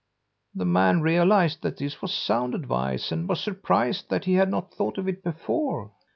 "The man realized that this was sound advice and was surprised that he had not thought of it before.